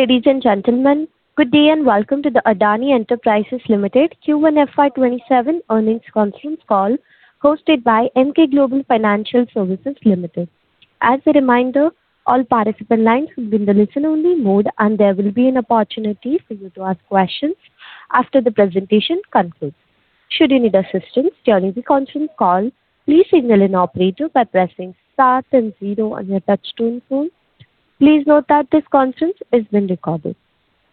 Ladies and gentlemen, good day. Welcome to the Adani Enterprises Limited Q1 FY 2027 earnings conference call hosted by Emkay Global Financial Services Limited. As a reminder, all participant lines will be in the listen-only mode. There will be an opportunity for you to ask questions after the presentation concludes. Should you need assistance during the conference call, please signal an operator by pressing star and zero on your touchtone phone. Please note that this conference is being recorded.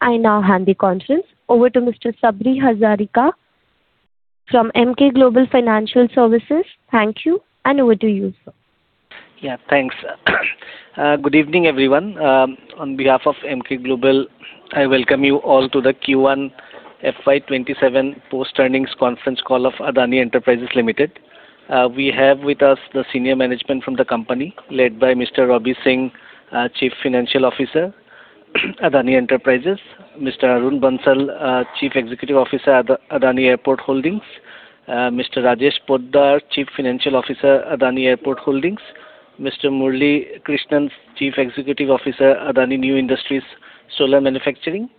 I now hand the conference over to Mr. Sabari Hazarika from Emkay Global Financial Services. Thank you. Over to you, sir. Thanks. Good evening, everyone. On behalf of Emkay Global, I welcome you all to the Q1 FY 2027 post-earnings conference call of Adani Enterprises Limited. We have with us the senior management from the company led by Mr. Robbie Singh, Chief Financial Officer, Adani Enterprises; Mr. Arun Bansal, Chief Executive Officer at Adani Airport Holdings; Mr. Rajesh Poddar, Chief Financial Officer, Adani Airport Holdings; Mr. Muralee Krishnan, Chief Executive Officer, Adani New Industries Solar Manufacturing;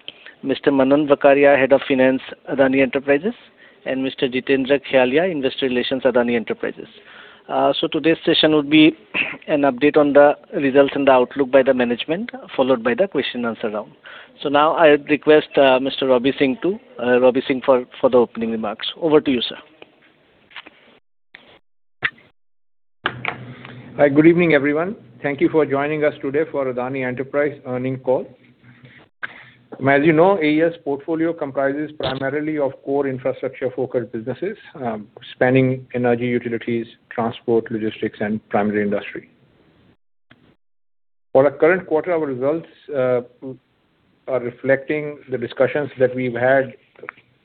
Mr. Manan Vakharia, Head of Finance, Adani Enterprises; and Mr. Jitendra Khyalia, Investor Relations, Adani Enterprises. Today's session will be an update on the results and the outlook by the management, followed by the question and answer round. Now I request Mr. Robbie Singh for the opening remarks. Over to you, sir. Good evening, everyone. Thank you for joining us today for Adani Enterprises earning call. You know, AE's portfolio comprises primarily of core infrastructure-focused businesses, spanning energy, utilities, transport, logistics, primary industry. For our current quarter, our results are reflecting the discussions that we've had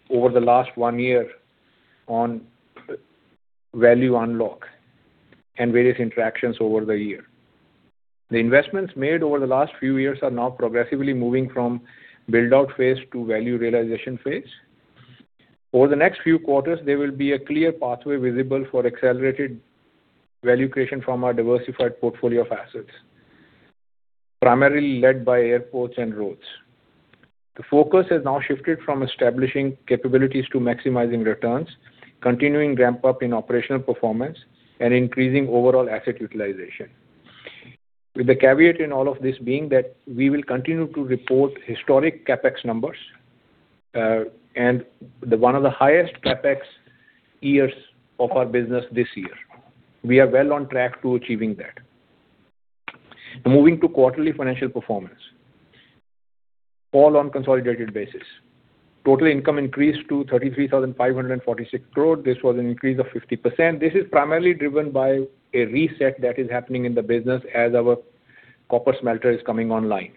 over the last one year on value unlock, various interactions over the year. The investments made over the last few years are now progressively moving from build-out phase to value realization phase. Over the next few quarters, there will be a clear pathway visible for accelerated value creation from our diversified portfolio of assets, primarily led by Airports and Roads. The focus has now shifted from establishing capabilities to maximizing returns, continuing ramp up in operational performance, increasing overall asset utilization. With the caveat in all of this being that we will continue to report historic CapEx numbers, one of the highest CapEx years of our business this year. We are well on track to achieving that. Moving to quarterly financial performance, all on consolidated basis. Total income increased to 33,546 crore. This was an increase of 50%. This is primarily driven by a reset that is happening in the business as our copper smelter is coming online.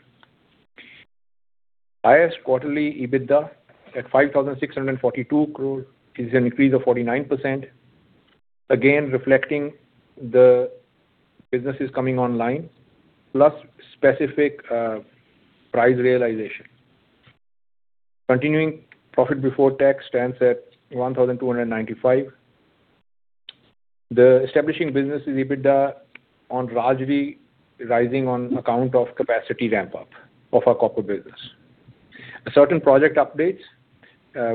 Highest quarterly EBITDA at 5,642 crore is an increase of 49%. Reflecting the businesses coming online, specific price realization. Continuing profit before tax stands at 1,295 crore. The establishing businesses EBITDA on, [inaudible] rising on account of capacity ramp up of our copper business. Certain project updates: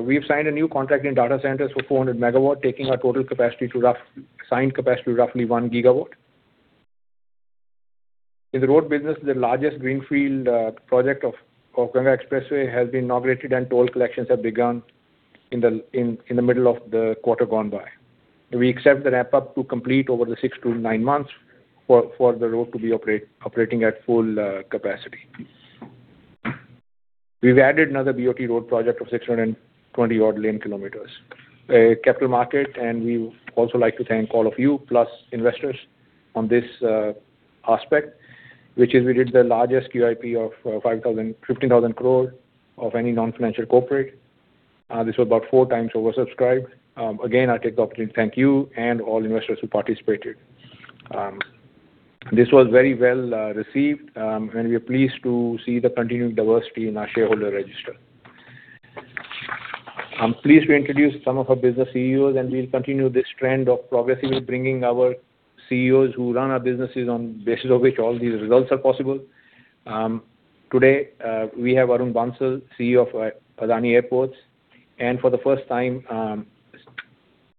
We have signed a new contract in data centers for 400 MW, taking our total signed capacity to roughly 1 GW. In the road business, the largest greenfield project of Ganga Expressway has been inaugurated, and toll collections have begun in the middle of the quarter gone by. We expect the ramp-up to complete over the six to nine months for the road to be operating at full capacity. We have added another BOT road project of 620 odd lane kilometers. Capital market. We also like to thank all of you, plus investors on this aspect, which is we did the largest QIP of 15,000 crore of any non-financial corporate. This was about four times oversubscribed. Again, I take the opportunity to thank you and all investors who participated. This was very well-received, and we are pleased to see the continued diversity in our shareholder register. I am pleased to introduce some of our business CEOs, and we will continue this trend of progressively bringing our CEOs who run our businesses on the basis of which all these results are possible. Today, we have Arun Bansal, CEO of Adani Airports, and for the first time,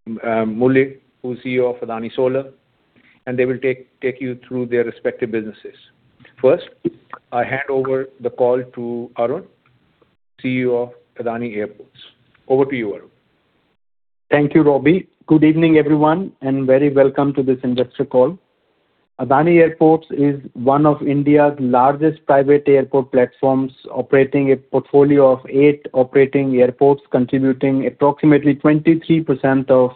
Muralee, who is CEO of Adani Solar, and they will take you through their respective businesses. First, I hand over the call to Arun, CEO of Adani Airports. Over to you, Arun. Thank you, Robbie. Good evening, everyone, and very welcome to this investor call. Adani Airports is one of India's largest private airport platforms, operating a portfolio of eight operating airports, contributing approximately 23% of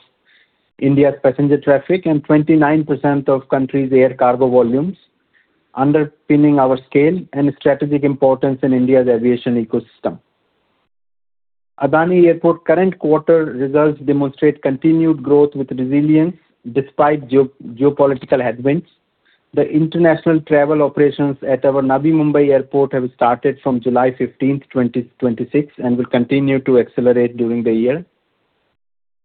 India's passenger traffic and 29% of the country's air cargo volumes, underpinning our scale and strategic importance in India's aviation ecosystem. Adani Airport current quarter results demonstrate continued growth with resilience despite geopolitical headwinds. The international travel operations at our Navi Mumbai airport have started from July 15th, 2026, and will continue to accelerate during the year.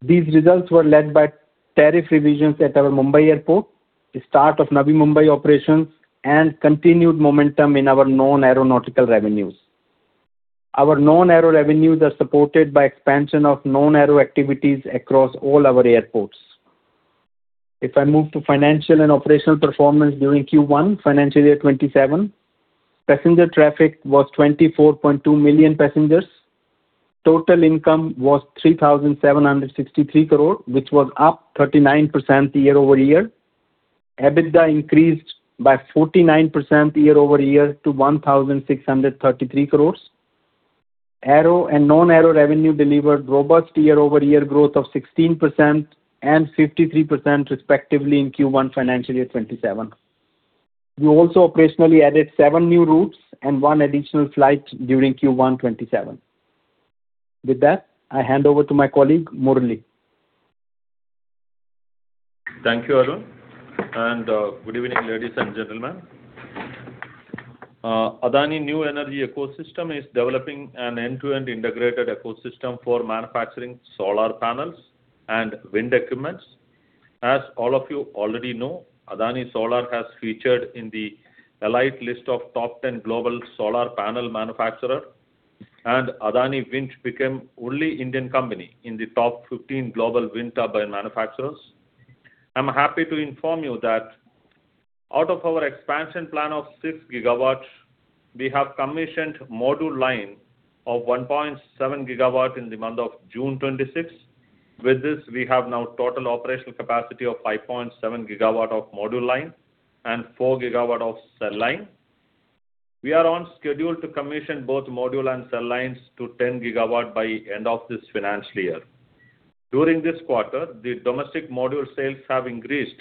These results were led by tariff revisions at our Mumbai airport, the start of Navi Mumbai operations, and continued momentum in our non-aeronautical revenues. Our non-aero revenues are supported by expansion of non-aero activities across all our airports. If I move to financial and operational performance during Q1 financial year 2027, passenger traffic was 24.2 million passengers. Total income was 3,763 crore, which was up 39% year-over-year. EBITDA increased by 49% year-over-year to 1,633 crore. Aero and non-aero revenue delivered robust year-over-year growth of 16% and 53% respectively in Q1 financial year 2027. We also operationally added seven new routes and one additional flight during Q1 2027. With that, I hand over to my colleague, Muralee. Thank you, Arun, and good evening, ladies and gentlemen. Adani New Energy ecosystem is developing an end-to-end integrated ecosystem for manufacturing solar panels and wind equipments. As all of you already know, Adani Solar has featured in the elite list of top 10 global solar panel manufacturer and Adani Wind became only Indian company in the top 15 global wind turbine manufacturers. I am happy to inform you that out of our expansion plan of 6 GW, we have commissioned module line of 1.7 GW in the month of June 2026. With this, we have now total operational capacity of 5.7 GW of module line and 4 GW of cell line. We are on schedule to commission both module and cell lines to 10 GW by end of this financial year. During this quarter, the domestic module sales have increased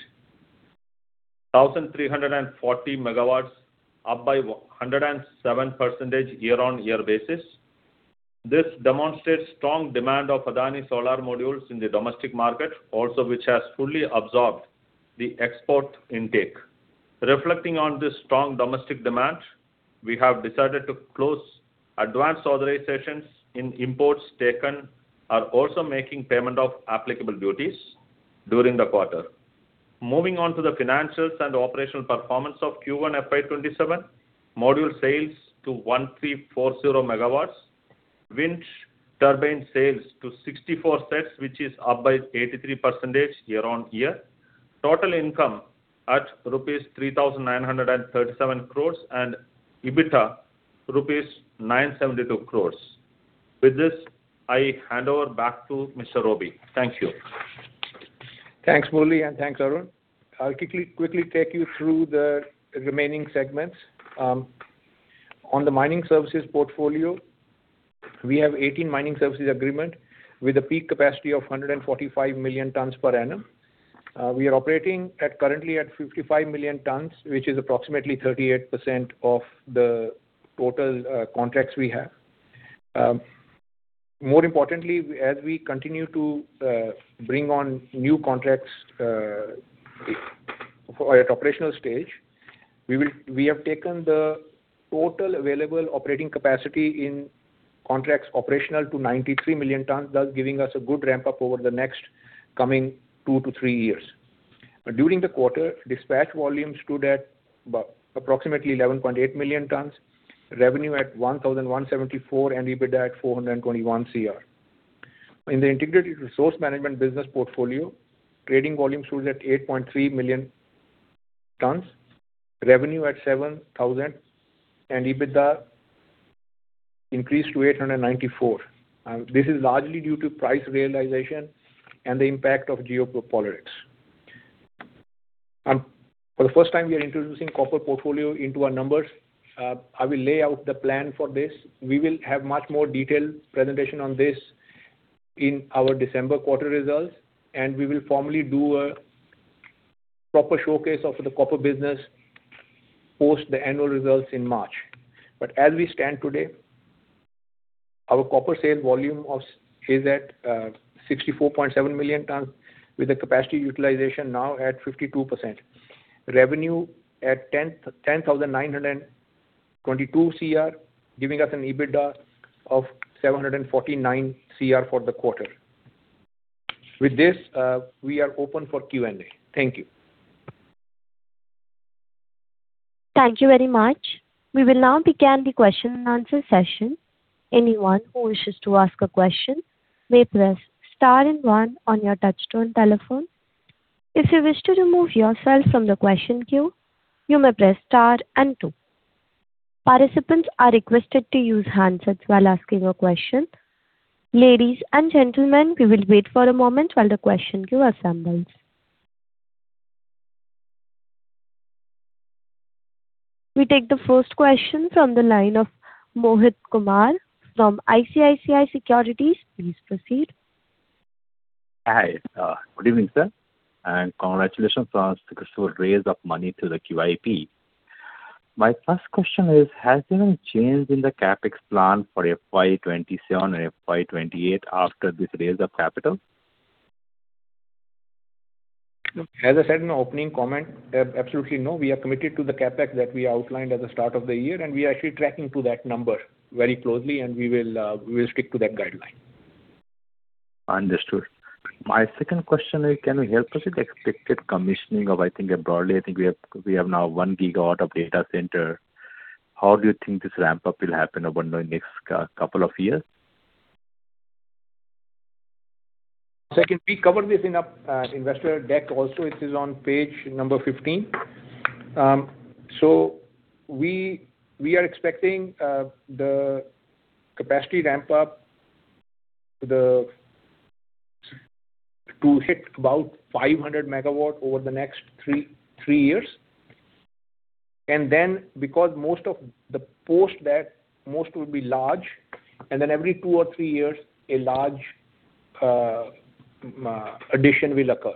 1,340 MW up by 107% year-on-year basis. This demonstrates strong demand of Adani Solar modules in the domestic market also, which has fully absorbed the export intake. Reflecting on this strong domestic demand, we have decided to close advance authorizations in imports taken are also making payment of applicable duties during the quarter. Moving on to the financials and operational performance of Q1 FY 2027. Module sales to 1,340 MG. Wind turbine sales to 64 sets, which is up by 83% year-on-year. Total income at rupees 3,937 crores and EBITDA rupees 972 crores. With this, I hand over back to Mr. Robbie. Thank you. Thanks, Muralee, and thanks, Arun. I will quickly take you through the remaining segments. On the mining services portfolio, we have 18 mining services agreement with a peak capacity of 145 million tons per annum. We are operating currently at 55 million tons, which is approximately 38% of the total contracts we have. More importantly, as we continue to bring on new contracts at operational stage, we have taken the total available operating capacity in contracts operational to 93 million tons, thus giving us a good ramp-up over the next coming two to three years. During the quarter, dispatch volumes stood at approximately 11.8 million tons, revenue at 1,174 crore and EBITDA at 421 crore. In the Integrated Resources Management business portfolio, trading volumes stood at 8.3 million tons, revenue at 7,000 crore and EBITDA increased to 894 crore. This is largely due to price realization and the impact of geopolitics. For the first time, we are introducing copper portfolio into our numbers. I will lay out the plan for this. We will have much more detailed presentation on this in our December quarter results, and we will formally do a proper showcase of the copper business post the annual results in March. But as we stand today, our copper sales volume is at 64.7 million tons with a capacity utilization now at 52%. Revenue at 10,922 crore, giving us an EBITDA of 749 crore for the quarter. With this, we are open for Q&A. Thank you. Thank you very much. We will now begin the question and answer session. Anyone who wishes to ask a question may press star and one on your touchtone telephone. If you wish to remove yourself from the question queue, you may press star and two. Participants are requested to use handsets while asking a question. Ladies and gentlemen, we will wait for a moment while the question queue assembles. We take the first question from the line of Mohit Kumar from ICICI Securities. Please proceed. Hi. Good evening, sir. Congratulations on successful raise of money through the QIP. My first question is, has there been change in the CapEx plan for FY 2027 and FY 2028 after this raise of capital? As I said in my opening comment, absolutely no. We are committed to the CapEx that we outlined at the start of the year, and we are actually tracking to that number very closely and we will stick to that guideline. Understood. My second question is, can you help us with expected commissioning of, I think broadly, we have now one gigawatt of data center. How do you think this ramp-up will happen over the next couple of years? Second, we cover this in our investor deck also. It is on page number 15. We are expecting the capacity ramp-up to hit about 500 MW over the next three years. Then, because post that, most will be large, then every two or three years, a large addition will occur.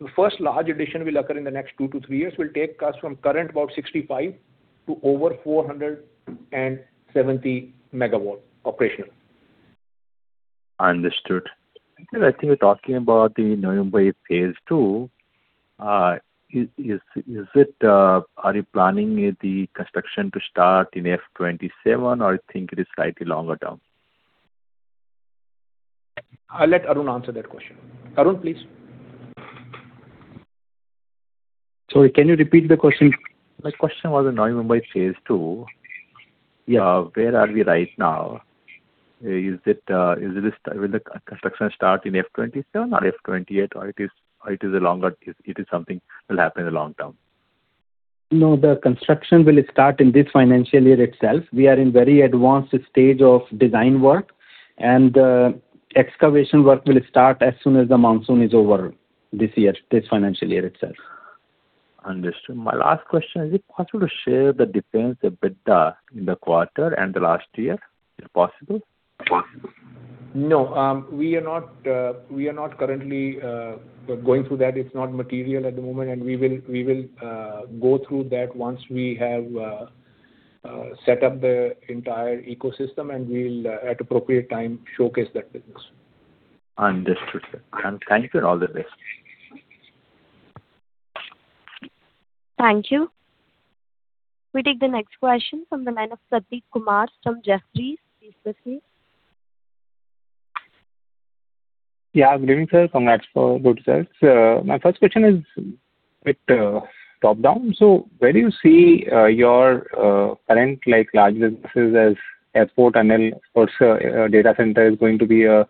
The first large addition will occur in the next two to three years, will take us from current about 65 to over 470 MW operational. Understood. I think we're talking about the Navi Mumbai phase II. Are you planning the construction to start in FY 2027 or you think it is slightly longer term? I'll let Arun answer that question. Arun, please. Sorry, can you repeat the question? My question was on Navi Mumbai phase two. Where are we right now? Will the construction start in FY 2027 or FY 2028, or it is something that will happen in the long term? The construction will start in this financial year itself. We are in very advanced stage of design work, and excavation work will start as soon as the monsoon is over this year, this financial year itself. Understood. My last question, is it possible to share the difference EBITDA in the quarter and the last year? Is it possible? We are not currently going through that. It's not material at the moment, and we will go through that once we have set up the entire ecosystem, and we'll, at appropriate time, showcase that business. Understood, sir. Thank you for all the updates. Thank you. We take the next question from the line of Prateek Kumar from Jefferies. Please proceed. Yeah. Good evening, sir. Congrats for good results. My first question is a bit top-down. Where do you see your current large businesses as airport and also data center is going to be a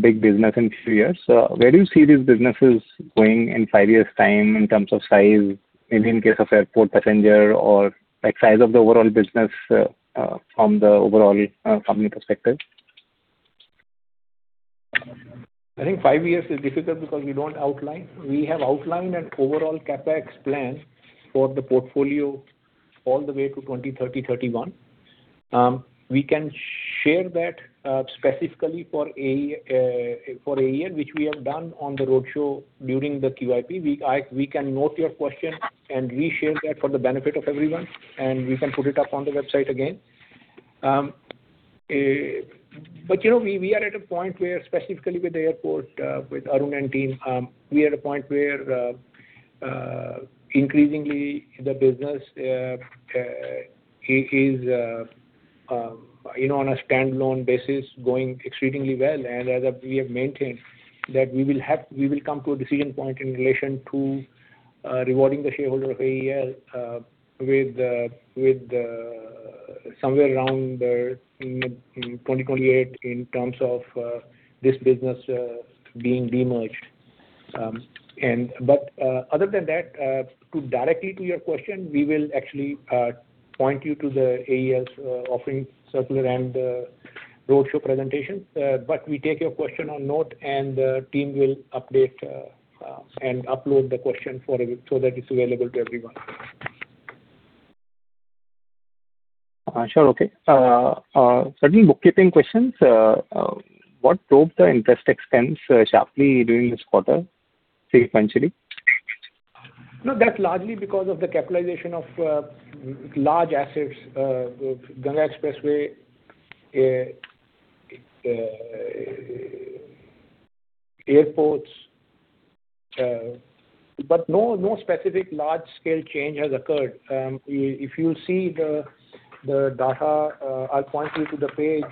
big business in two years. Where do you see these businesses going in five years' time in terms of size, maybe in case of airport passenger or size of the overall business from the overall company perspective? I think five years is difficult because we don't outline. We have outlined an overall CapEx plan for the portfolio all the way to 2030, 2031. We can share that specifically for AEL, which we have done on the roadshow during the QIP. We can note your question and re-share that for the benefit of everyone, and we can put it up on the website again. We are at a point where, specifically with the airport, with Arun and team, we are at a point where increasingly the business is on a standalone basis, going exceedingly well. As we have maintained that we will come to a decision point in relation to rewarding the shareholder of AEL somewhere around in 2028 in terms of this business being de-merged. Other than that, directly to your question, we will actually point you to the AEL's offering circular and roadshow presentation. We take your question on note and the team will update and upload the question so that it's available to everyone. Sure. Okay. Certainly bookkeeping questions. What drove the interest expense sharply during this quarter sequentially? That's largely because of the capitalization of large assets, Ganga Expressway, airports. No specific large-scale change has occurred. If you see the data, I'll point you to the page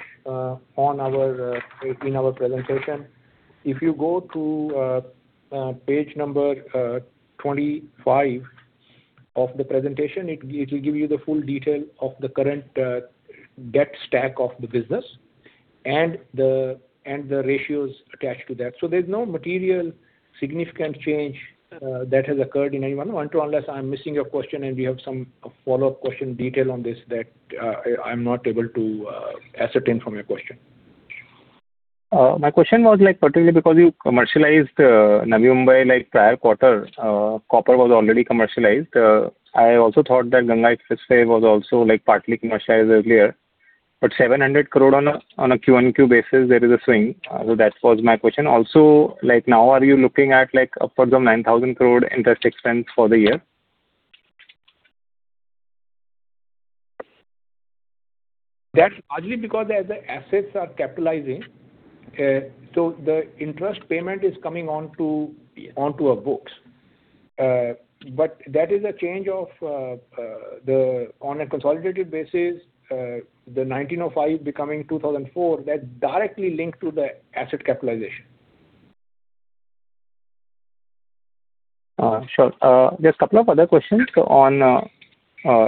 in our presentation. If you go to page number 25 of the presentation, it will give you the full detail of the current debt stack of the business and the ratios attached to that. There's no material significant change that has occurred in any one. Unless I'm missing your question and we have some follow-up question detail on this that I'm not able to ascertain from your question. My question was particularly because you commercialized Navi Mumbai prior quarter. Copper was already commercialized. I also thought that Ganga Expressway was also partly commercialized earlier. 700 crore on a Q-on-Q basis, there is a swing. That was my question. Also, now are you looking at further 9,000 crore interest expense for the year? That's largely because as the assets are capitalizing, so the interest payment is coming onto our books. That is a change on a consolidated basis, the 1,905 becoming 2,004, that's directly linked to the asset capitalization. Sure. Just couple of other questions. On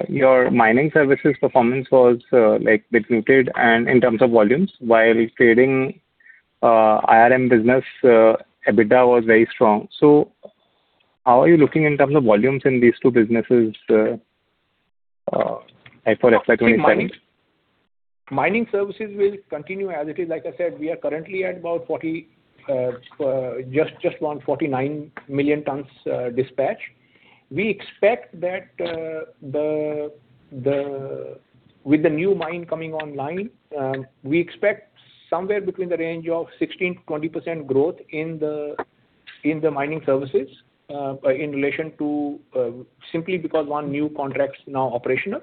your mining services performance was a bit muted and in terms of volumes while trading IRM business, EBITDA was very strong. How are you looking in terms of volumes in these two businesses for FY 2027? Mining services will continue as it is. Like I said, we are currently at about just around 49 million tons dispatched. With the new mine coming online, we expect somewhere between the range of 16%-20% growth in the mining services, simply because one new contract's now operational.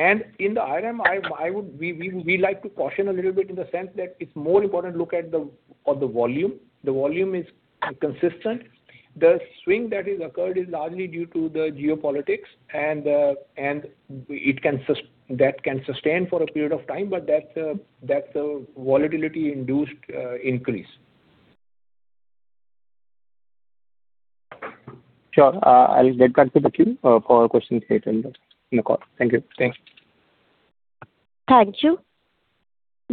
In the IRM, we like to caution a little bit in the sense that it's more important look at the volume. The volume is consistent. The swing that has occurred is largely due to the geopolitics, and that can sustain for a period of time, but that's a volatility-induced increase. Sure. I'll get back to the queue for questions later in the call. Thank you. Thanks. Thank you.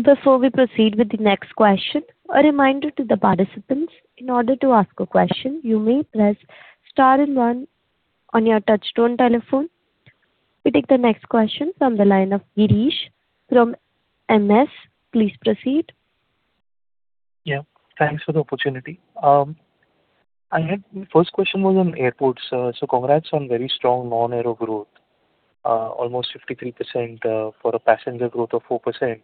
Before we proceed with the next question, a reminder to the participants, in order to ask a question, you may press star and one on your touchtone telephone. We take the next question from the line of Girish from MS. Please proceed. Yeah. Thanks for the opportunity. First question was on airports. Congrats on very strong non-aero growth. Almost 53% for a passenger growth of 4%.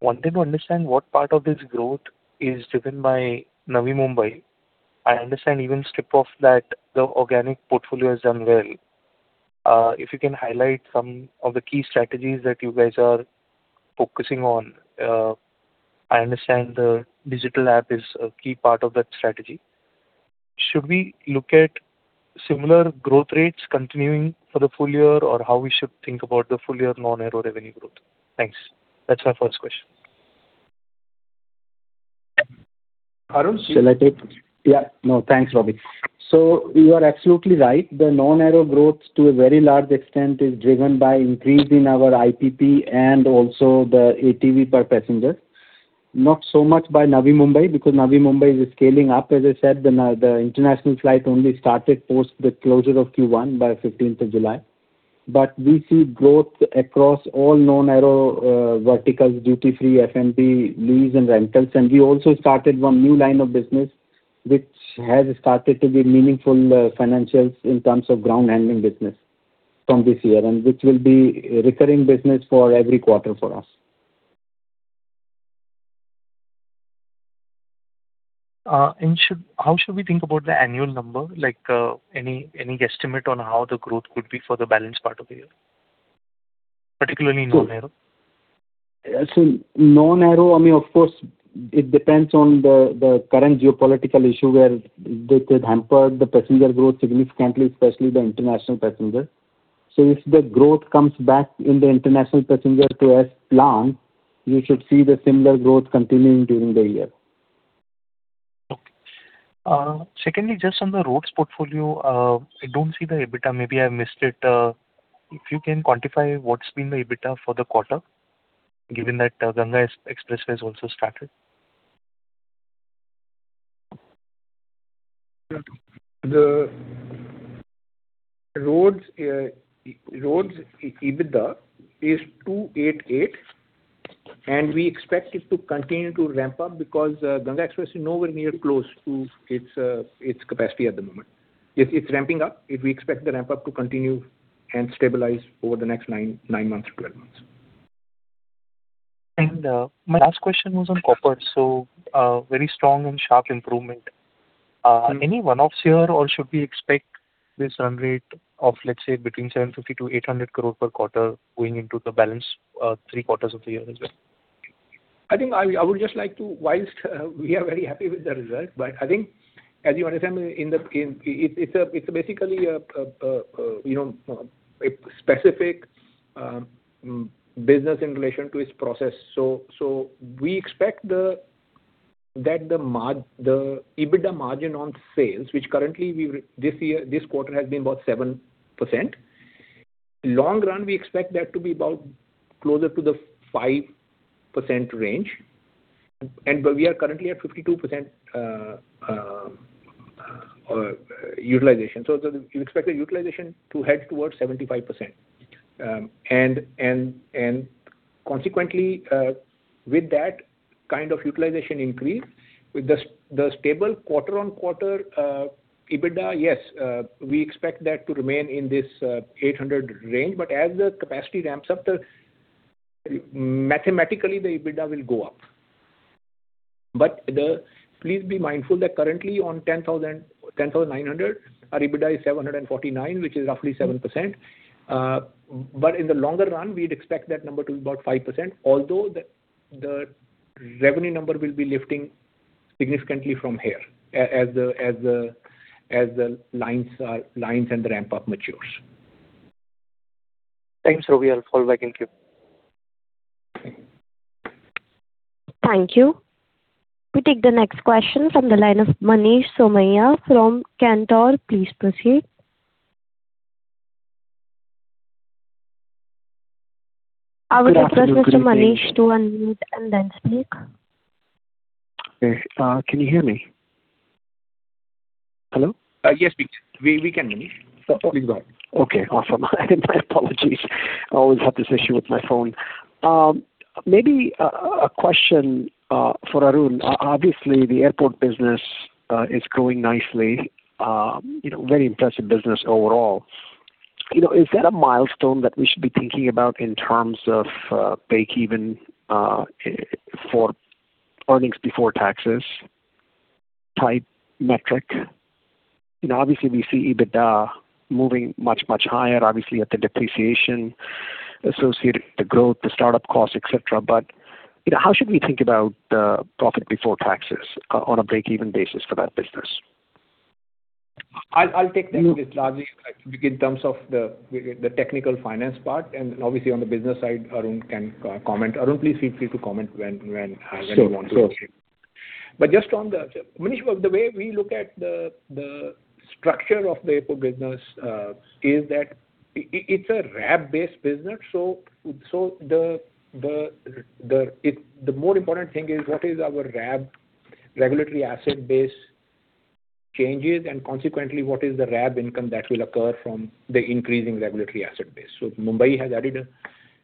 Wanted to understand what part of this growth is driven by Navi Mumbai. I understand even strip of that, the organic portfolio has done well. If you can highlight some of the key strategies that you guys are focusing on. I understand the digital app is a key part of that strategy. Should we look at similar growth rates continuing for the full year, or how we should think about the full year non-aero revenue growth? Thanks. That's my first question. Arun. Yeah. No, thanks, Robbie. You are absolutely right. The non-aero growth to a very large extent is driven by increase in our IPP and also the ATV per passenger. Not so much by Navi Mumbai, because Navi Mumbai is scaling up. As I said, the international flight only started post the closure of Q1 by 15th of July. We see growth across all non-aero verticals, duty-free, F&B, lease, and rentals. We also started one new line of business, which has started to give meaningful financials in terms of ground handling business from this year, and which will be recurring business for every quarter for us. How should we think about the annual number? Any estimate on how the growth could be for the balance part of the year, particularly non-aero? Non-aero, of course, it depends on the current geopolitical issue where they could hamper the passenger growth significantly, especially the international passenger. If the growth comes back in the international passenger to as planned, we should see the similar growth continuing during the year. Okay. Secondly, just on the roads portfolio, I don't see the EBITDA, maybe I missed it. If you can quantify what's been the EBITDA for the quarter, given that Ganga Expressway has also started. The roads EBITDA is 288, and we expect it to continue to ramp up because Ganga Expressway is nowhere near close to its capacity at the moment. It's ramping up. We expect the ramp-up to continue and stabilize over the next nine months, 12 months. My last question was on copper. Very strong and sharp improvement. Are any one-offs here or should we expect this run rate of, let's say, between 750 crore-800 crore per quarter going into the balance three quarters of the year as well? I would just like to, while we are very happy with the result, as you understand, it is basically a specific business in relation to its process. We expect that the EBITDA margin on sales, which currently this quarter has been about 7%. Long run, we expect that to be about closer to the 5% range. We are currently at 52% utilization. You expect the utilization to head towards 75%. Consequently, with that kind of utilization increase, with the stable quarter-on-quarter EBITDA, yes, we expect that to remain in this 800 range, as the capacity ramps up, mathematically the EBITDA will go up. Please be mindful that currently on 10,900, our EBITDA is 749, which is roughly 7%. In the longer run, we would expect that number to be about 5%, although the revenue number will be lifting significantly from here as the lines and ramp-up matures. Thanks, Robbie. I will fall back in queue. Thank you. We take the next question from the line of Manish Somaiya from Cantor. Please proceed. I would request Mr. Manish to unmute and then speak. Okay. Can you hear me? Hello? Yes, we can, Manish. Please go ahead. Okay, awesome. My apologies. I always have this issue with my phone. Maybe a question for Arun. Obviously, the airport business is growing nicely. Very impressive business overall. Is that a milestone that we should be thinking about in terms of breakeven for earnings before taxes type metric? Obviously, we see EBITDA moving much, much higher, obviously, at the depreciation associated with the growth, the startup costs, et cetera, but how should we think about the profit before taxes on a breakeven basis for that business? I'll take that. It's largely in terms of the technical finance part, and obviously on the business side, Arun can comment. Arun, please feel free to comment when you want to. Sure. Just on Manish, the way we look at the structure of the airport business is that it's a RAB-based business. The more important thing is what is our RAB, regulatory asset base, changes, and consequently, what is the RAB income that will occur from the increasing regulatory asset base. Mumbai has added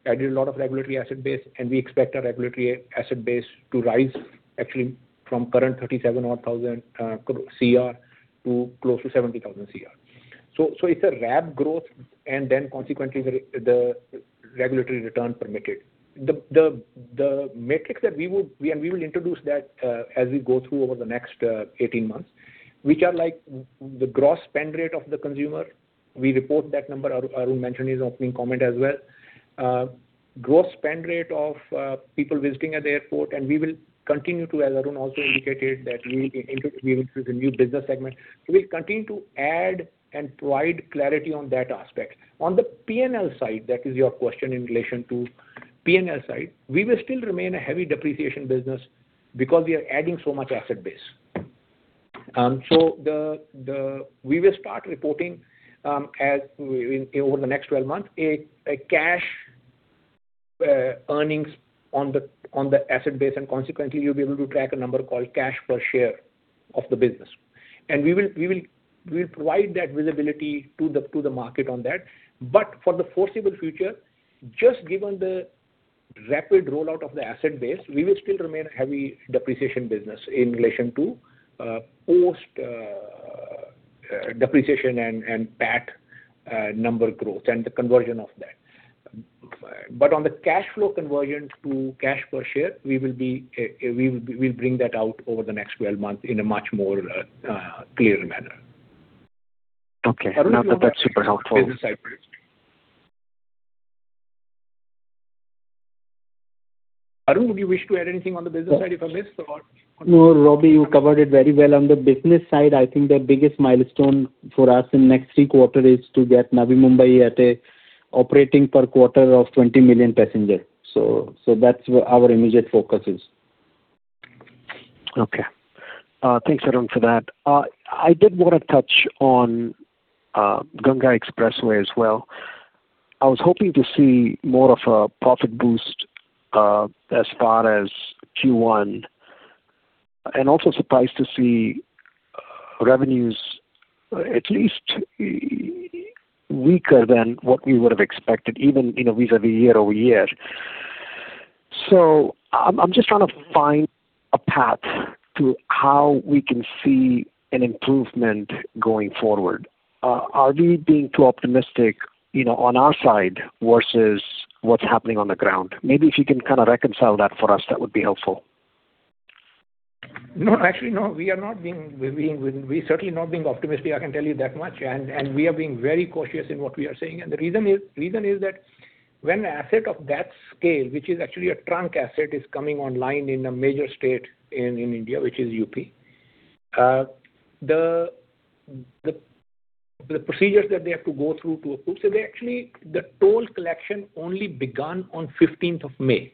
a lot of regulatory asset base, and we expect our regulatory asset base to rise actually from current 37,000 crore to close to 70,000 crore. It's a RAB growth, and then consequently, the regulatory return permitted. The metrics that we and we will introduce that as we go through over the next 18 months, which are like the gross spend rate of the consumer. We report that number. Arun mentioned in his opening comment as well. Gross spend rate of people visiting at the airport, we will continue to, as Arun also indicated, that we will introduce a new business segment. We'll continue to add and provide clarity on that aspect. On the P&L side, that is your question in relation to P&L side, we will still remain a heavy depreciation business because we are adding so much asset base. We will start reporting over the next 12 months a cash earnings on the asset base, and consequently, you'll be able to track a number called cash per share of the business. We will provide that visibility to the market on that. For the foreseeable future, just given the rapid rollout of the asset base, we will still remain a heavy depreciation business in relation to post depreciation and PAT number growth and the conversion of that. On the cash flow conversion to cash per share, we'll bring that out over the next 12 months in a much more clear manner. Okay. That's super helpful. Arun, would you wish to add anything on the business side if I missed or? No, Robbie, you covered it very well. On the business side, I think the biggest milestone for us in next three quarter is to get Navi Mumbai at a operating per quarter of 20 million passengers. That's where our immediate focus is. Okay. Thanks, Arun, for that. I did want to touch on Ganga Expressway as well. I was hoping to see more of a profit boost as far as Q1, and also surprised to see revenues at least weaker than what we would have expected, even vis-à-vis year-over-year. I'm just trying to find a path to how we can see an improvement going forward. Are we being too optimistic on our side versus what's happening on the ground? Maybe if you can kind of reconcile that for us, that would be helpful. No. Actually, no. We're certainly not being optimistic, I can tell you that much. We are being very cautious in what we are saying. The reason is that when an asset of that scale, which is actually a trunk asset, is coming online in a major state in India, which is UP, the procedures that they have to go through. Actually, the toll collection only begun on 15th of May.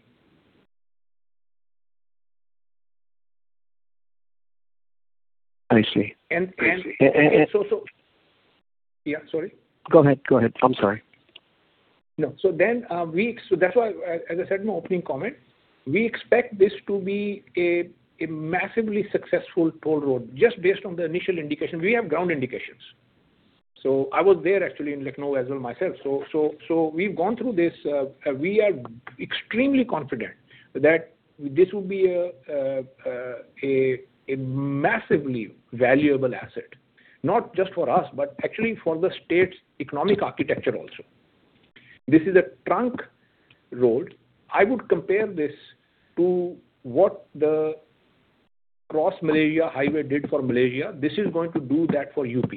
I see. And so. I see. Yeah, sorry. Go ahead. I'm sorry. That's why, as I said in my opening comment, we expect this to be a massively successful toll road, just based on the initial indication. We have ground indications. I was there actually in Lucknow as well myself. We've gone through this. We are extremely confident that this will be a massively valuable asset, not just for us, but actually for the state's economic architecture also. This is a trunk road. I would compare this to what the Cross Malaysia Highway did for Malaysia. This is going to do that for UP.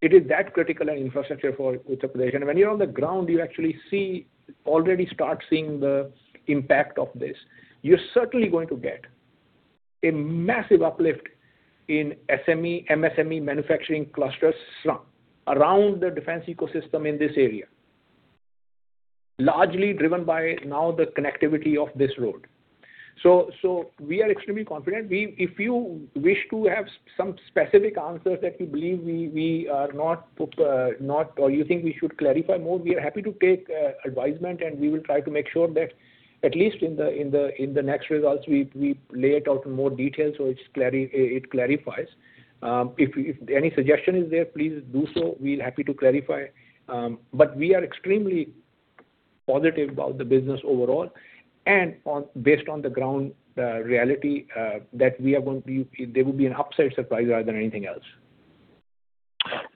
It is that critical an infrastructure for Uttar Pradesh. When you're on the ground, you actually already start seeing the impact of this. You're certainly going to get a massive uplift in SME, MSME manufacturing clusters around the defense ecosystem in this area, largely driven by now the connectivity of this road. We are extremely confident. If you wish to have some specific answers that you believe we are not, or you think we should clarify more, we are happy to take advisement and we will try to make sure that at least in the next results, we lay it out in more detail so it clarifies. If any suggestion is there, please do so. We're happy to clarify. We are extremely positive about the business overall and based on the ground reality, that there will be an upside surprise rather than anything else.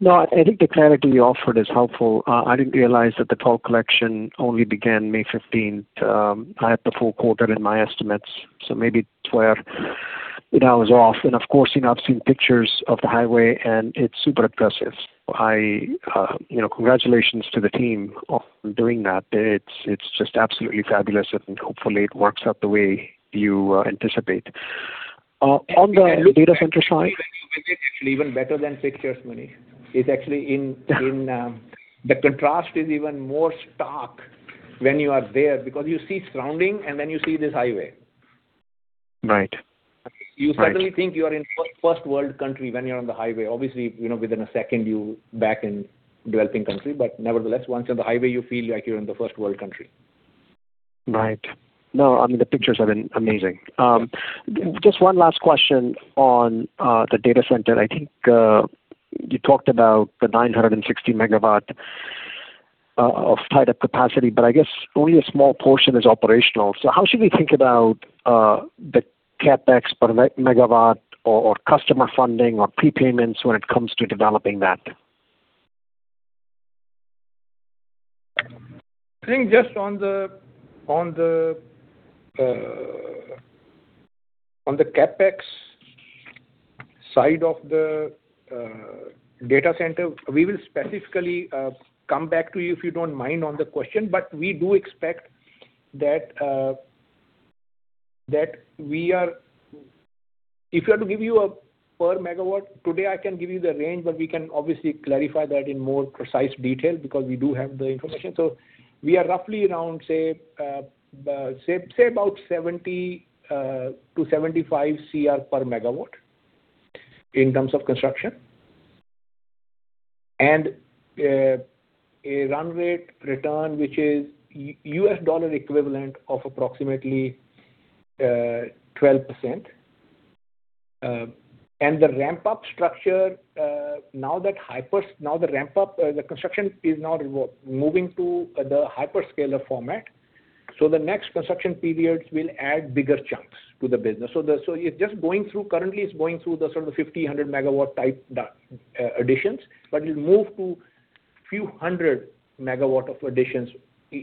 I think the clarity you offered is helpful. I didn't realize that the toll collection only began May 15th. I had the full quarter in my estimates, so maybe that's where I was off. Of course, I've seen pictures of the highway and it's super impressive. Congratulations to the team on doing that. It's just absolutely fabulous and hopefully it works out the way you anticipate. Even better than six years, Manish. The contrast is even more stark when you are there because you see surrounding and then you see this highway. Right. You suddenly think you are in first-world country when you're on the highway. Obviously, within a second, you're back in developing country. Nevertheless, once you're on the highway, you feel like you're in the first-world country. Right. No, the pictures have been amazing. Just one last question on the data center. I think you talked about the 960 MW of tied-up capacity, but I guess only a small portion is operational. How should we think about the CapEx per megawatt or customer funding or prepayments when it comes to developing that? I think just on the CapEx side of the data center, we will specifically come back to you, if you don't mind on the question, but we do expect that if you had to give you a per megawatt, today, I can give you the range, but we can obviously clarify that in more precise detail because we do have the information. We are roughly around, say about 70 crore-75 crore per MW in terms of construction. A run rate return, which is U.S. dollar equivalent of approximately 12%. The ramp-up structure, now the construction is now moving to the hyperscaler format. The next construction periods will add bigger chunks to the business. Currently it's going through the sort of 50 MW, 100 MW type additions, but it'll move to few hundred megawatt of additions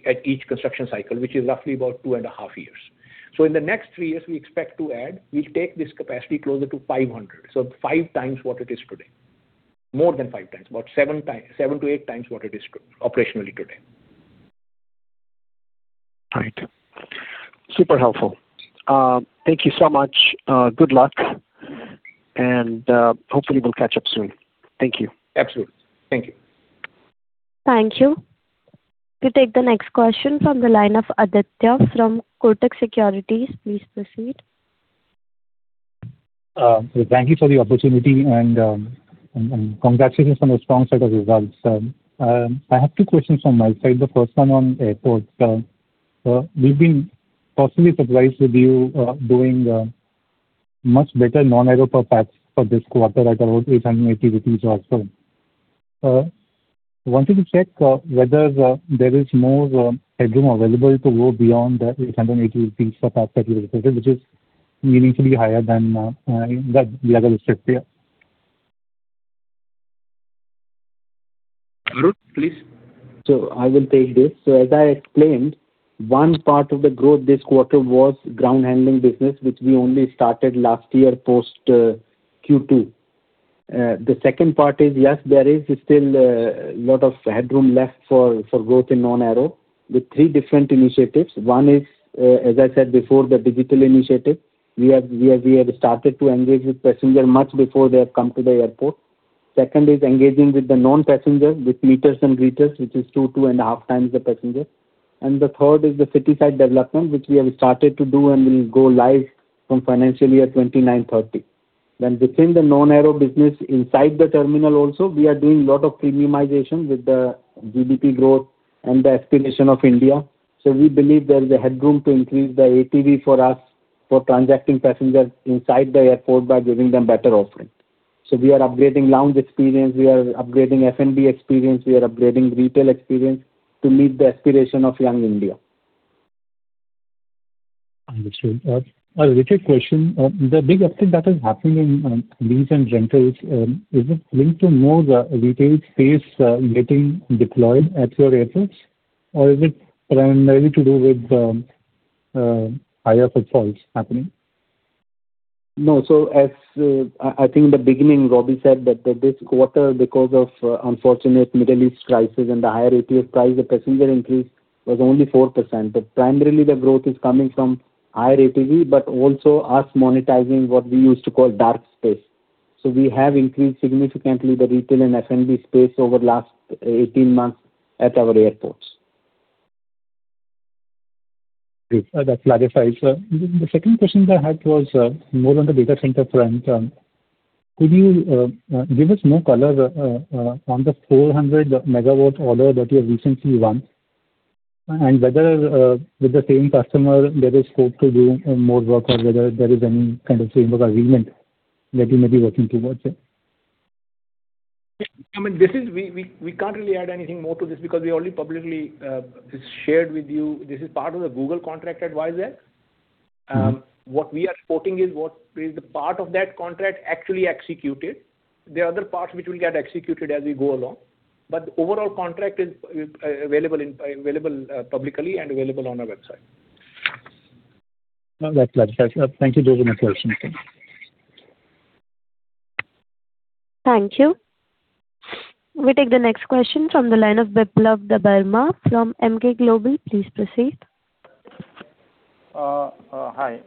at each construction cycle, which is roughly about two and a half years. In the next three years, we expect to add, we'll take this capacity closer to 500. 5x what it is today. More than 5x, about 7x-8x what it is operationally today. Right. Super helpful. Thank you so much. Good luck and hopefully we'll catch up soon. Thank you. Absolutely. Thank you. Thank you. We take the next question from the line of Aditya from Kotak Securities. Please proceed. Thank you for the opportunity and congratulations on the strong set of results. I have two questions on my side. The first one on airports. We've been pleasantly surprised with you doing much better non-aero PAT for this quarter at around 880 rupees or so. Wanted to check whether there is more headroom available to go beyond that 880 PAT that you referred, which is meaningfully higher than the other strips here. Arun, please. I will take this. As I explained, one part of the growth this quarter was ground handling business, which we only started last year post Q2. The second part is, yes, there is still a lot of headroom left for growth in non-aero with three different initiatives. One is, as I said before, the digital initiative. We have started to engage with passenger much before they have come to the airport. Second is engaging with the non-passenger with meeters and greeters, which is two to two and a half times the passenger. The third is the city side development, which we have started to do and will go live from financial year 2029/2030. Within the non-aero business, inside the terminal also, we are doing lot of premiumization with the GDP growth and the aspiration of India. We believe there is a headroom to increase the APV for us for transacting passengers inside the airport by giving them better offerings. We are upgrading lounge experience, we are upgrading F&B experience, we are upgrading retail experience to meet the aspiration of young India. Understood. A related question. The big uptick that is happening in lease and rentals, is it linked to more retail space getting deployed at your airports, or is it primarily to do with higher footfalls happening? I think in the beginning, Robbie said that this quarter, because of unfortunate Middle East crisis and the higher ATF price, the passenger increase was only 4%. Primarily the growth is coming from higher APV, but also us monetizing what we used to call dark space. We have increased significantly the retail and F&B space over last 18 months at our airports. Great. That clarifies. The second question I had was more on the data center front. Could you give us more color on the 400 MW order that you have recently won, and whether with the same customer there is scope to do more work or whether there is any kind of framework agreement that you may be working towards? We can't really add anything more to this because we already publicly shared with you this is part of the Google contract advisory. What we are quoting is what is the part of that contract actually executed. There are other parts which will get executed as we go along. The overall contract is available publicly and available on our website. No, that clarifies. Thank you. Those are my questions. Thank you. We take the next question from the line of Biplab Debbarma from Emkay Global. Please proceed. Hi.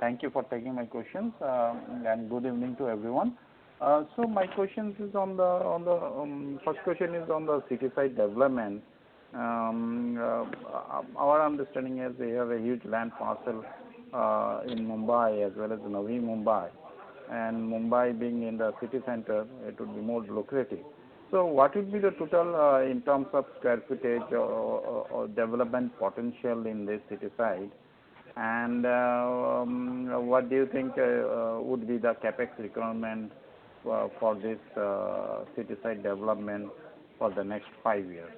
Thank you for taking my questions. Good evening to everyone. First question is on the city side development. Our understanding is they have a huge land parcel in Mumbai as well as Navi Mumbai, and Mumbai being in the city center, it would be more lucrative. What would be the total in terms of square footage or development potential in this city side? What do you think would be the CapEx requirement for this city side development for the next five years?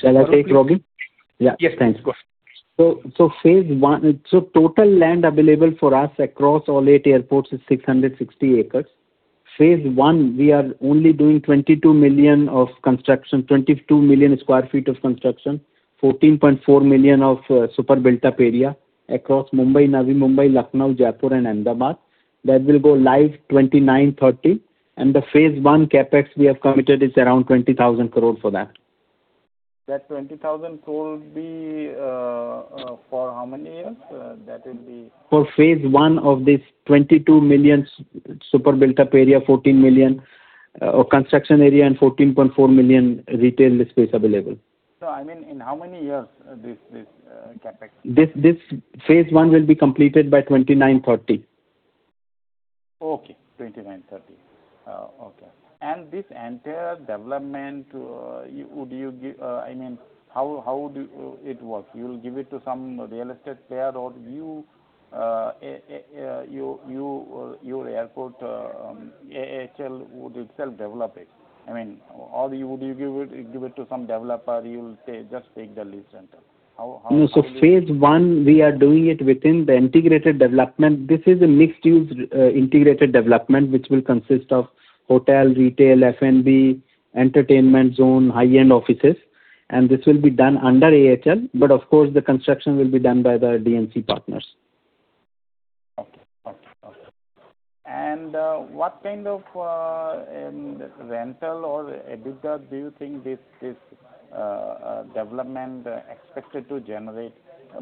Shall I take, Robbie? Yes. Yeah. Thanks. Go ahead. Total land available for us across all eight airports is 660 acres. Phase one, we are only doing 22 million sq ft of construction, 14.4 million of super built-up area across Mumbai, Navi Mumbai, Lucknow, Jaipur and Ahmedabad. That will go live 2029/2030. The phase one CapEx we have committed is around 20,000 crore for that. That 20,000 crore would be for how many years? For phase I of this 22 million super built-up area, 14 million construction area and 14.4 million retail space available. No, I mean in how many years this CapEx? This phase I will be completed by 2029/2030. Okay. 2029/2030. Okay. This entire development, how would it work? You will give it to some real estate player, or your airport, AAL would itself develop it? Or would you give it to some developer, you will say, "Just take the lease rental." How would it work? No. Phase I, we are doing it within the integrated development. This is a mixed-use integrated development which will consist of hotel, retail, F&B, entertainment zone, high-end offices, and this will be done under AAL. Of course, the construction will be done by the D&C partners. Okay. What kind of rental or EBITDA do you think this development expected to generate?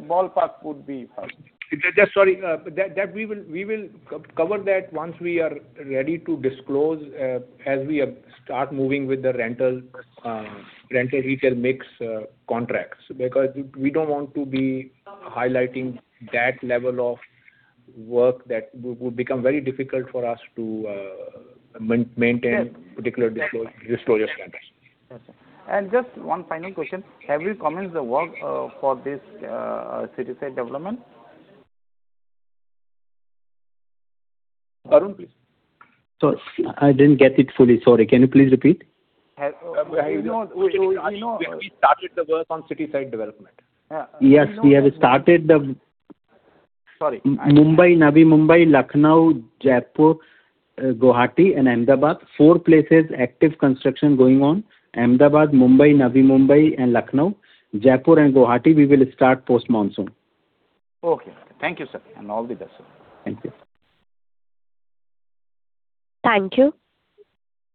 Ballpark would be fine. Sorry. We will cover that once we are ready to disclose as we start moving with the rental retail mix contracts. We don't want to be highlighting that level of work that would become very difficult for us to maintain particular disclosure standards. Okay. Just one final question. Have you commenced the work for this city side development? Arun, please. Sorry, I didn't get it fully. Sorry. Can you please repeat? Have you. We know. Have you started the work on city side development? Yes, we have started the. Sorry. Mumbai, Navi Mumbai, Lucknow, Jaipur, Guwahati and Ahmedabad. Four places active construction going on. Ahmedabad, Mumbai, Navi Mumbai and Lucknow. Jaipur and Guwahati, we will start post-monsoon. Okay. Thank you, sir. All the best, sir. Thank you. Thank you.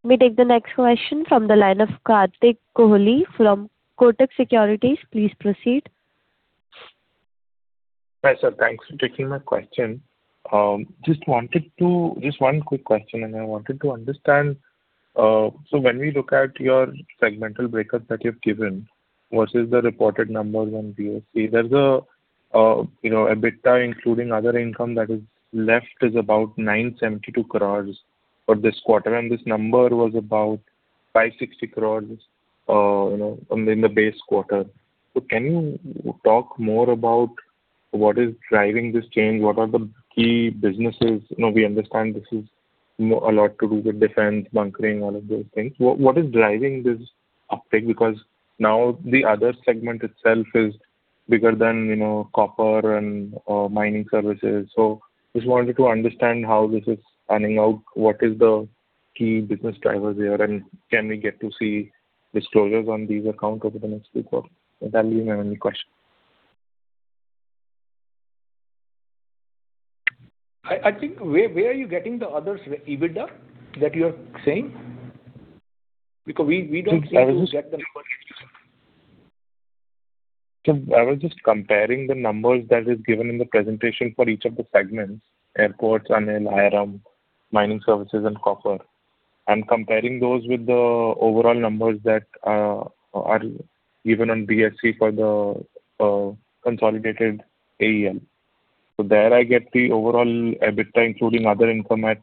We take the next question from the line of Kartik Kohli from Kotak Securities. Please proceed. Hi, sir. Thanks for taking my question. Just one quick question. I wanted to understand. When we look at your segmental breakup that you've given versus the reported numbers on BSE, there's a EBITDA including other income that is left is about 972 crore for this quarter, and this number was about 560 crore in the base quarter. Can you talk more about what is driving this change? What are the key businesses? We understand this is a lot to do with defense bunkering, all of those things. What is driving this uptick? Now the other segment itself is bigger than copper and mining services. Just wanted to understand how this is panning out, what is the key business drivers there, and can we get to see disclosures on these accounts over the next few quarters? With that, I leave my only question. I think where are you getting the others' EBITDA that you're saying? We don't seem to get the number. I was just comparing the numbers that is given in the presentation for each of the segments, airports, ANEL, IRM, mining services and copper. I am comparing those with the overall numbers that are given on BSE for the consolidated AEL. There I get the overall EBITDA, including other income at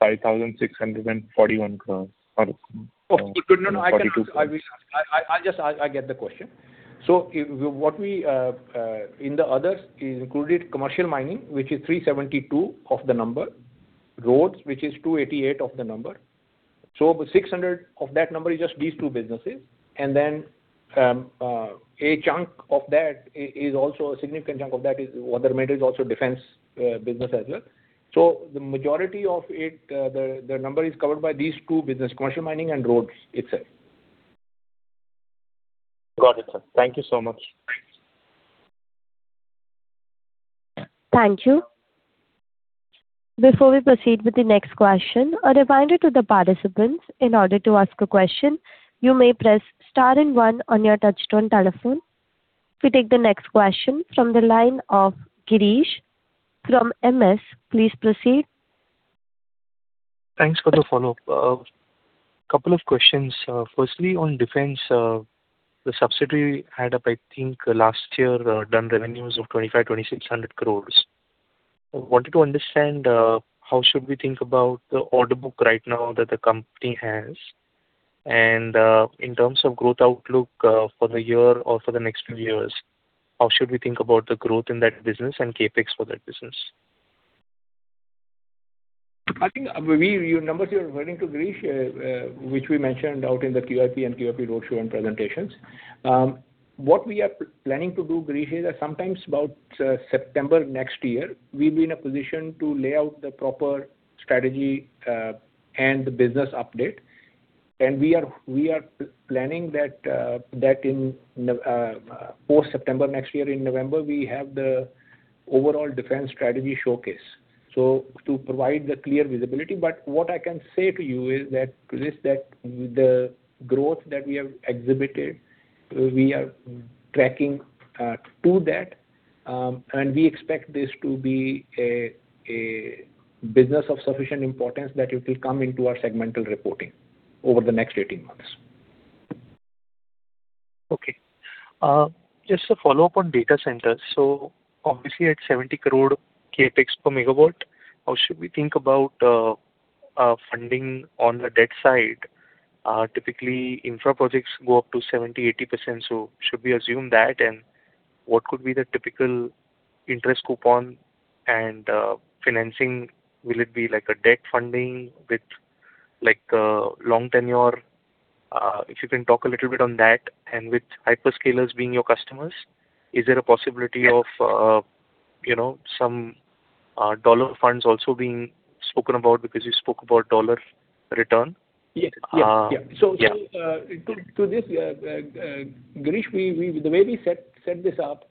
5,641 crore. Oh, good. No, I get the question. What we in the others is included commercial mining, which is 372 of the number, roads, which is 288 of the number. 600 of that number is just these two businesses. Then a significant chunk of that is other matters, also defense business as well. The majority of it, the number is covered by these two business, commercial mining and roads itself. Got it, sir. Thank you so much. Thank you. Before we proceed with the next question, a reminder to the participants, in order to ask a question, you may press star and one on your touchtone telephone. We take the next question from the line of Girish from MS. Please proceed. Thanks for the follow-up. Couple of questions. Firstly, on defense, the subsidiary had up, I think, last year done revenues of 2,500 crore-2,600 crore. I wanted to understand how should we think about the order book right now that the company has, and in terms of growth outlook for the year or for the next few years, how should we think about the growth in that business and CapEx for that business? I think your numbers you are running to, Girish, which we mentioned out in the QIP and QIP roadshow and presentations. What we are planning to do, Girish, is sometime about September next year, we will be in a position to lay out the proper strategy, and the business update. We are planning that in post-September next year, in November, we have the overall defense strategy showcase. To provide the clear visibility. What I can say to you is that, Girish, that the growth that we have exhibited, we are tracking to that. We expect this to be a business of sufficient importance that it will come into our segmental reporting over the next 18 months. Okay. Just a follow-up on data centers. Obviously at 70 crore CapEx per megawatt, how should we think about funding on the debt side? Typically, infra projects go up to 70%-80%, so should we assume that? What could be the typical interest coupon and financing? Will it be like a debt funding with long tenure? If you can talk a little bit on that. With hyperscalers being your customers, is there a possibility of some dollar funds also being spoken about because you spoke about dollar return? Yeah. Yeah. To this, Girish, the way we set this up,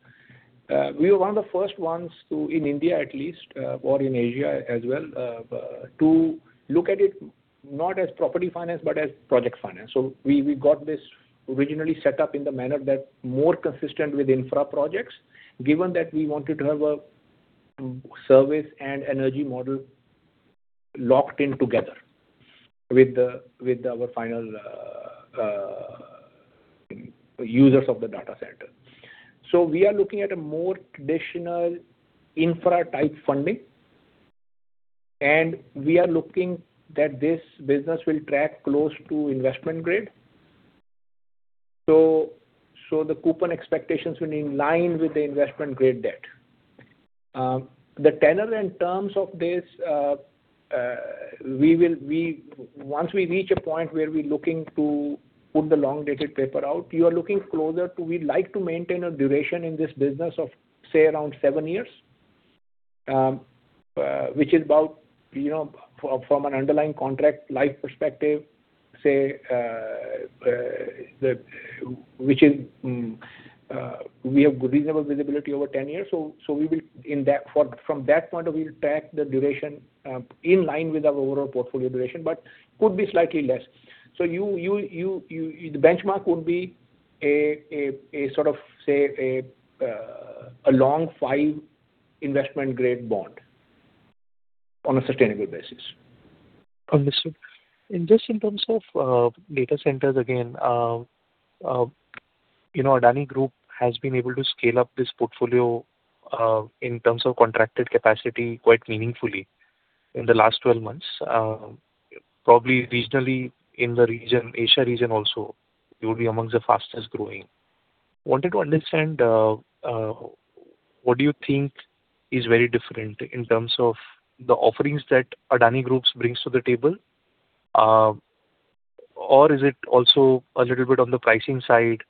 we were one of the first ones to, in India at least, or in Asia as well, to look at it not as property finance, but as project finance. We got this originally set up in the manner that is more consistent with infra projects, given that we wanted to have a service and energy model locked in together with our final users of the data center. We are looking at a more traditional infra type funding, and we are looking that this business will track close to investment grade. The coupon expectations will be in line with the investment grade debt. The tenor and terms of this, once we reach a point where we're looking to put the long-dated paper out, you are looking closer to we'd like to maintain a duration in this business of, say, around seven years, which is about from an underlying contract life perspective, say, which we have reasonable visibility over 10 years. From that point of view, track the duration in line with our overall portfolio duration, but could be slightly less. The benchmark would be a sort of, say, a long five investment grade bond on a sustainable basis. Understood. Just in terms of data centers again, Adani Group has been able to scale up this portfolio, in terms of contracted capacity, quite meaningfully in the last 12 months. Probably regionally in the Asia region also, you'll be amongst the fastest-growing. Wanted to understand, what do you think is very different in terms of the offerings that Adani Group brings to the table? Or is it also a little bit on the pricing side,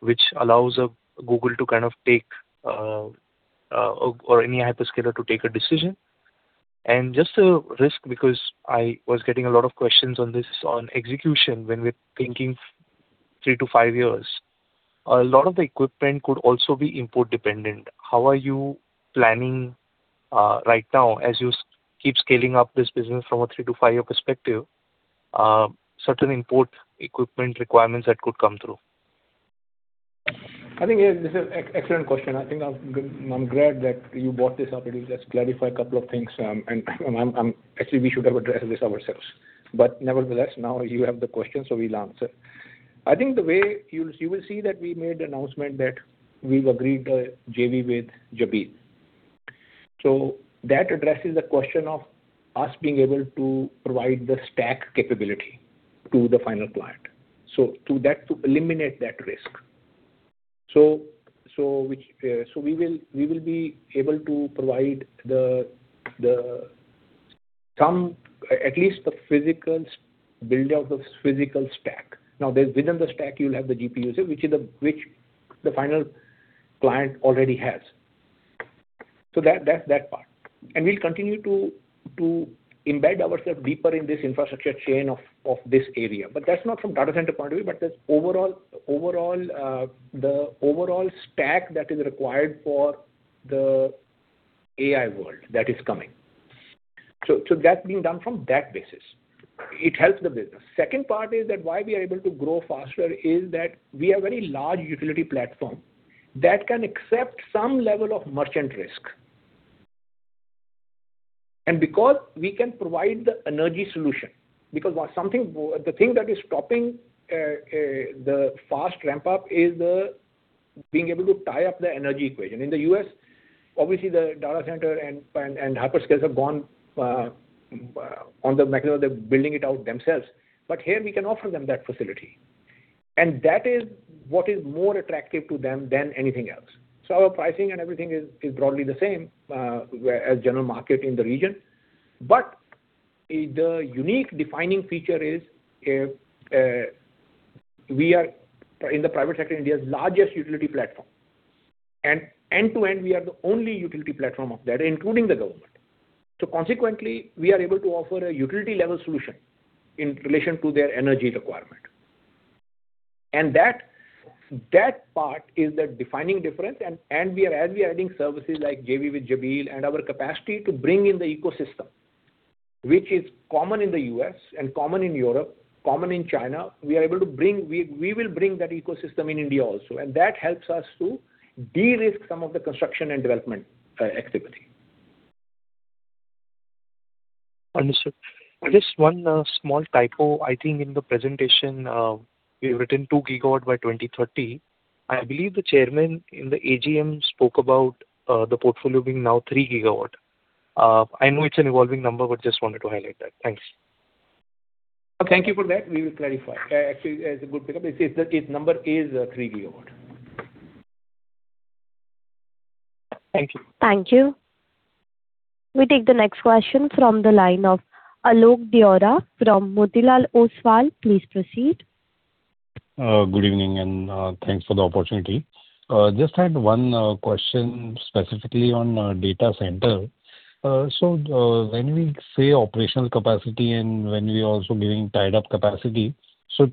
which allows Google to take, or any hyperscaler to take a decision? And just a risk, because I was getting a lot of questions on this, on execution, when we're thinking three to five years. A lot of the equipment could also be import-dependent. How are you planning right now as you keep scaling up this business from a three to five-year perspective, certain import equipment requirements that could come through? Yeah, this is an excellent question. I'm glad that you brought this up. It will just clarify a couple of things, and actually, we should have addressed this ourselves. Nevertheless, now you have the question, so we'll answer. The way you will see that we made the announcement that we've agreed a JV with Jabil. So that addresses the question of us being able to provide the stack capability to the final client. So to eliminate that risk. So we will be able to provide at least the buildout of physical stack. Now, within the stack, you'll have the GPU, which the final client already has. So that's that part. And we'll continue to embed ourselves deeper in this infrastructure chain of this area. That's not from data center point of view, but the overall stack that is required for the AI world that is coming. So that's being done from that basis. It helps the business. Second part is that why we are able to grow faster is that we are a very large utility platform that can accept some level of merchant risk. And because we can provide the energy solution, because the thing that is stopping the fast ramp-up is being able to tie up the energy equation. In the U.S., obviously, the data center and hyperscalers have gone on the macro of building it out themselves. But here we can offer them that facility. And that is what is more attractive to them than anything else. So our pricing and everything is broadly the same as general market in the region. The unique defining feature is we are, in the private sector, India's largest utility platform. End to end, we are the only utility platform of that, including the government. Consequently, we are able to offer a utility-level solution in relation to their energy requirement. That part is the defining difference. As we are adding services like JV with Jabil and our capacity to bring in the ecosystem, which is common in the U.S. and common in Europe, common in China, we will bring that ecosystem in India also, and that helps us to de-risk some of the construction and development activity. Understood. Just one small typo. I think in the presentation, you've written 2 GW by 2030. I believe the chairman in the AGM spoke about the portfolio being now 3 GW. I know it's an evolving number, but just wanted to highlight that. Thanks. Thank you for that. We will clarify. Actually, it's a good pickup. Its number is 3 GW. Thank you. Thank you. We take the next question from the line of Alok Deora from Motilal Oswal. Please proceed. Good evening. Thanks for the opportunity. Just had one question specifically on data center. When we say operational capacity and when we're also giving tied-up capacity,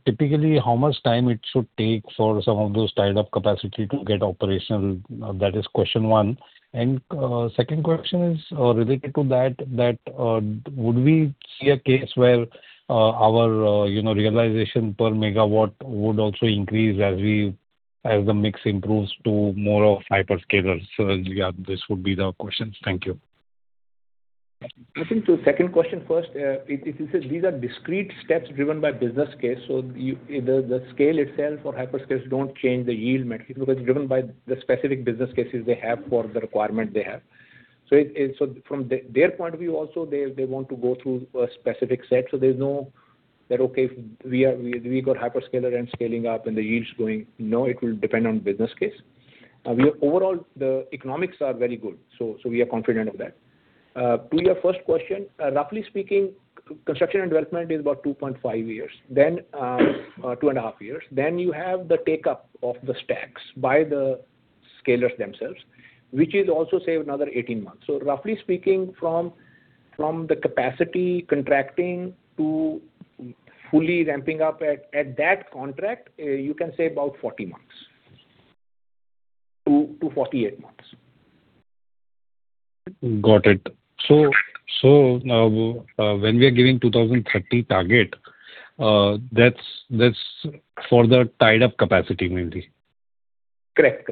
typically, how much time it should take for some of those tied-up capacity to get operational? That is question one. Second question is related to that, would we see a case where our realization per megawatt would also increase as the mix improves to more of hyperscalers? Yeah, this would be the questions. Thank you. I think to the question two first. These are discrete steps driven by business case. The scale itself for hyperscalers don't change the yield metric because it's driven by the specific business cases they have for the requirement they have. From their point of view also, they want to go through a specific set, so there's no, "Okay, we got hyperscaler and scaling up, and the yield's going." No, it will depend on business case. Overall, the economics are very good, we are confident of that. To your first question, roughly speaking, construction and development is about 2.5 Years. Then, two and a half years. Then you have the take-up of the stacks by the scalers themselves, which is also, say, another 18 months. Roughly speaking, from the capacity contracting to fully ramping up at that contract, you can say about 40 months-48 months. Got it. When we are giving 2030 target, that's for the tied-up capacity mainly? Correct.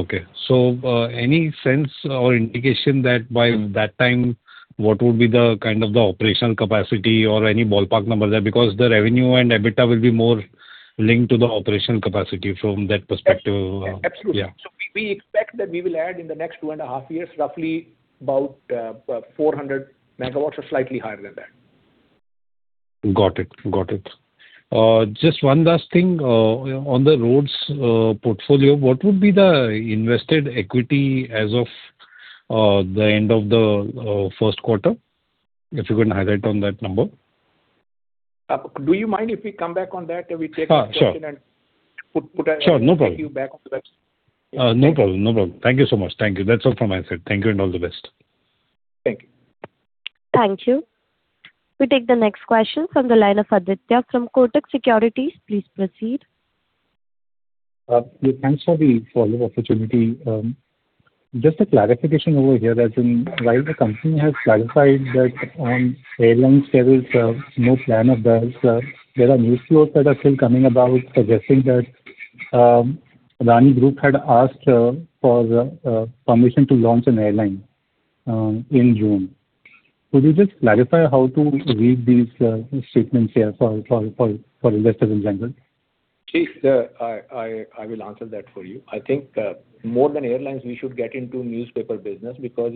Okay. Any sense or indication that by that time what would be the kind of the operational capacity or any ballpark number there? Because the revenue and EBITDA will be Linked to the operation capacity from that perspective. Absolutely. Yeah. We expect that we will add in the next two and a half years, roughly about 400 MW or slightly higher than that. Got it. Just one last thing. On the roads portfolio, what would be the invested equity as of the end of the first quarter? If you can highlight on that number. Do you mind if we come back on that and we. Sure. Put. Sure, no problem. Get you back on that. No problem. Thank you so much. Thank you. That's all from my side. Thank you and all the best. Thank you. Thank you. We take the next question from the line of Aditya from Kotak Securities. Please proceed. Thanks for the follow-up opportunity. Just a clarification over here that while the company has clarified that on airlines there is no plan of that. There are news flows that are still coming about suggesting that Adani Group had asked for permission to launch an airline in June. Could you just clarify how to read these statements here for investors in general? See, I will answer that for you. I think more than airlines, we should get into newspaper business because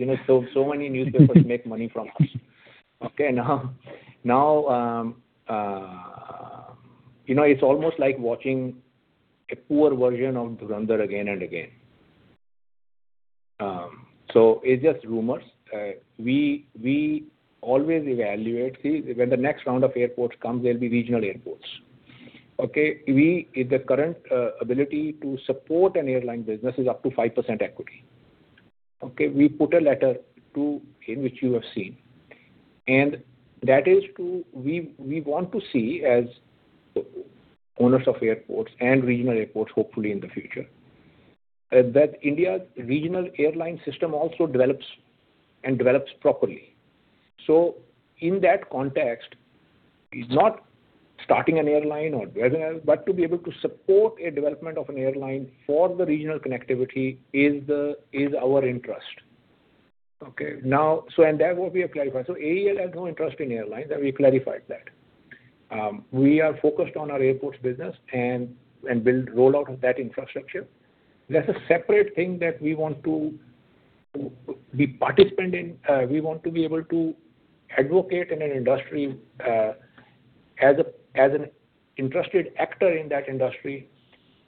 so many newspapers make money from us. Now it's almost like watching a poor version of "Dhurandhar" again and again. It's just rumors. We always evaluate. See, when the next round of airports comes, there'll be regional airports. The current ability to support an airline business is up to 5% equity. We put a letter too, in which you have seen. That is to We want to see as owners of airports and regional airports, hopefully in the future, that India's regional airline system also develops and develops properly. In that context, it's not starting an airline or wherever else, but to be able to support a development of an airline for the regional connectivity is our interest. Now, that what we have clarified. AEL has no interest in airlines, and we clarified that. We are focused on our airports business and build rollout of that infrastructure. That's a separate thing that we want to be participant in. We want to be able to advocate in an industry, as an interested actor in that industry,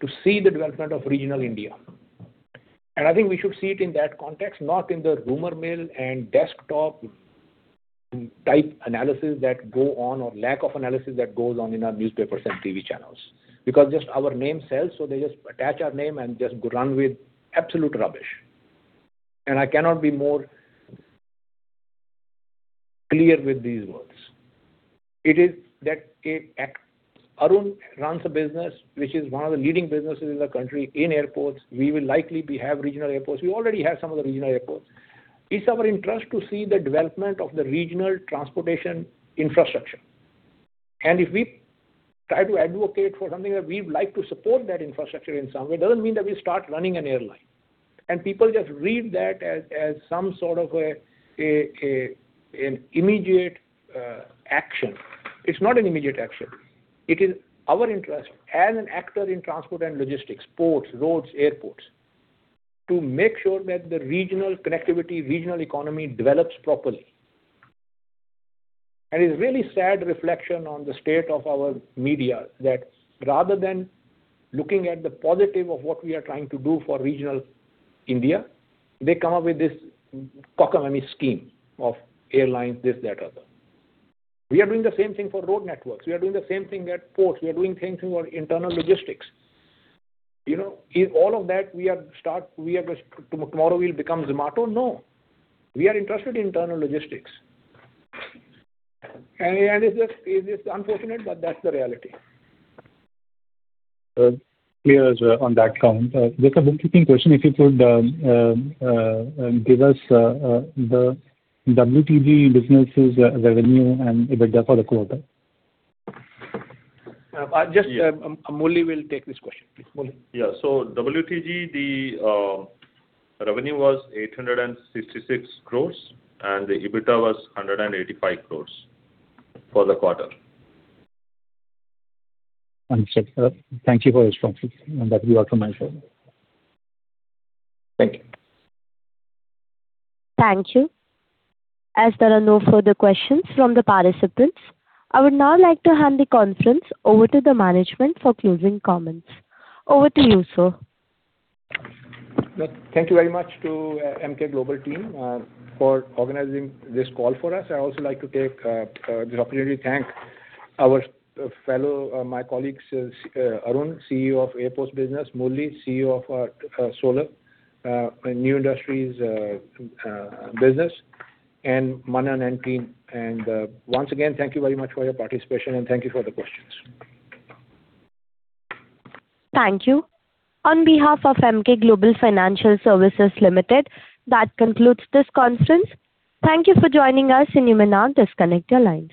to see the development of regional India. I think we should see it in that context, not in the rumor mill and desktop-type analysis that go on or lack of analysis that goes on in our newspapers and TV channels. Because just our name sells, so they just attach our name and just run with absolute rubbish. I cannot be more clear with these words. It is that if Arun runs a business, which is one of the leading businesses in the country in airports, we will likely have regional airports. We already have some of the regional airports. It's our interest to see the development of the regional transportation infrastructure. If we try to advocate for something that we'd like to support that infrastructure in some way, it doesn't mean that we start running an airline. People just read that as some sort of an immediate action. It's not an immediate action. It is our interest as an actor in transport and logistics, ports, roads, airports, to make sure that the regional connectivity, regional economy develops properly. It's really sad reflection on the state of our media that rather than looking at the positive of what we are trying to do for regional India, they come up with this cockamamie scheme of airlines, this, that, other. We are doing the same thing for road networks. We are doing the same thing at ports. We are doing same thing on internal logistics. In all of that, tomorrow we'll become Zomato? No. We are interested in internal logistics. It's just unfortunate, but that's the reality. Clear as well on that count. Just a bookkeeping question, if you could give us the WTG business' revenue and EBITDA for the quarter. Muralee will take this question. Please, Muralee. WTG, the revenue was 866 crores and the EBITDA was 185 crores for the quarter. Understood. Thank you for your response. That'll be all from my side. Thank you. Thank you. There are no further questions from the participants, I would now like to hand the conference over to the management for closing comments. Over to you, sir. Thank you very much to Emkay Global team for organizing this call for us. I'd also like to take this opportunity to thank our fellow, my colleagues, Arun, CEO of Adani Airports, Muralee, CEO of our Adani New Industries Solar Manufacturing, Manan and team. Once again, thank you very much for your participation, and thank you for the questions. Thank you. On behalf of Emkay Global Financial Services Limited, that concludes this conference. Thank you for joining us. You may now disconnect your lines.